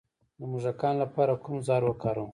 د موږکانو لپاره کوم زهر وکاروم؟